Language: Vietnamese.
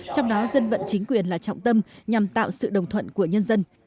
trong đó dân vận chính quyền là trọng tâm nhằm tạo sự đồng thuận của nhân dân